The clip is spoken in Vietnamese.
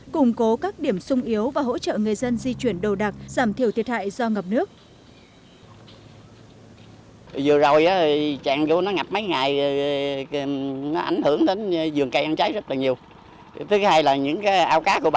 củng cố các điểm sung yếu và hỗ trợ người dân di chuyển đầu đặc giảm thiểu thiệt hại do ngập nước